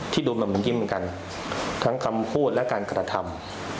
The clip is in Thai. ที่โดนแบบเหมือนกี้เหมือนกันทั้งคำพูดและการกระทำ